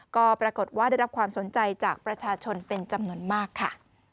ก็ปรากฏว่าได้รับความสนใจจากประชาชนเป็นจำนวนมากค่ะ